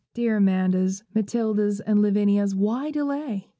Dear Amandas, Matildas, and Lavinias, why delay?